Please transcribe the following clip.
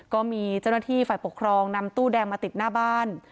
ก็มีเจ้าหน้าที่ฝ่ายปกครองนำตู้แดงมาติดหน้าบ้าน